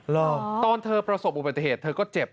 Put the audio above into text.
ตอนเธอประสบอุบัติเหตุเธอก็เจ็บ